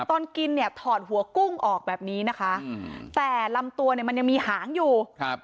ตอนกินเนี่ยถอดหัวกุ้งออกแบบนี้นะคะแต่ลำตัวเนี่ยมันยังมีหางอยู่